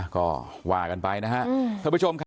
ก็ว่ากันไปนะฮะ